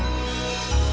tapi dengan satu syarat